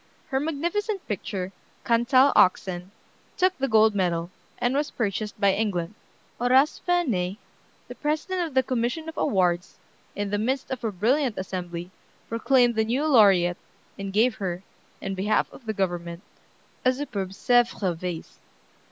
Her magnificent picture, "Cantal Oxen," took the gold medal, and was purchased by England. Horace Vernet, the president of the commission of awards, in the midst of a brilliant assembly, proclaimed the new laureate, and gave her, in behalf of the government, a superb Sèvres vase.